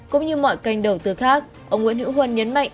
cũng như mọi kênh đầu tư khác ông nguyễn hữu huân nhấn mạnh